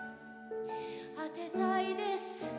当てたいです」